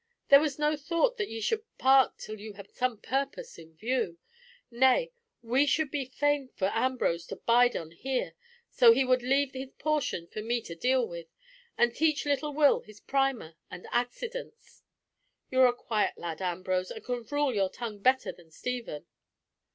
There was no thought that ye should part till you had some purpose in view. Nay, we should be fain for Ambrose to bide on here, so he would leave his portion for me to deal with, and teach little Will his primer and accidence. You are a quiet lad, Ambrose, and can rule your tongue better than Stephen."